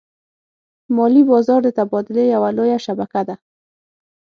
مالي بازار د تبادلې یوه لویه شبکه ده.